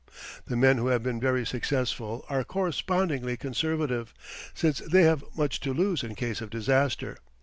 The men who have been very successful are correspondingly conservative, since they have much to lose in case of disaster.